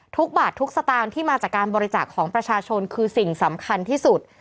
ทุกบาททุกสตางค์ที่มาจากการบริจาคของประชาชนคือสิ่งสำคัญที่สุด